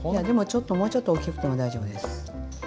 でもちょっともうちょっと大きくても大丈夫です。